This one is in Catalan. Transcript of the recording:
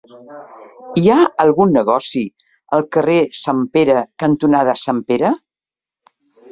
Hi ha algun negoci al carrer Sant Pere cantonada Sant Pere?